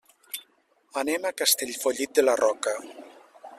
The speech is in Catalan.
Anem a Castellfollit de la Roca.